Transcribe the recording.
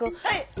はい。